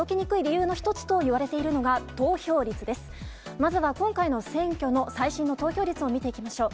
まずは、今回の選挙の最新の投票率を見ていきましょう。